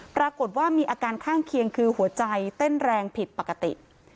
ปรากฏว่ามีอาการข้างเคียงคือหัวใจเต้นแรงผิดปกติ